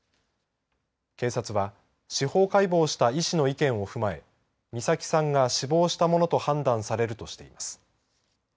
警察は司法解剖した医師の意見を踏まえ美咲さんが死亡したものと判断されるとしています。